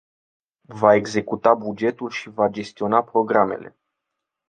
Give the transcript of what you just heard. Va executa bugetul și va gestiona programele.